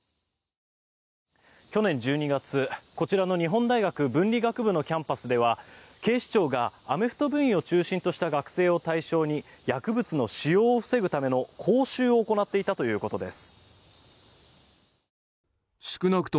去年１２月こちらの日本大学文理学部のキャンパスでは、警視庁がアメフト部員を中心とした学生を対象に薬物の使用を防ぐための講習を行っていたということです。